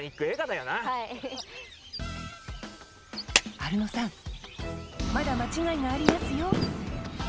アルノさんまだ間違いがありますよ！